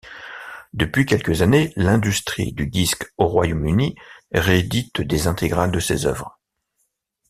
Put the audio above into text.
Depuis quelques années l'industrie du disque au Royaume-Uni réédite des intégrales de ses œuvres.